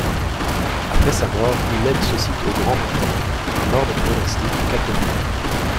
Après sa mort, il lègue ce site aux Grandmontains, un ordre monastique catholique.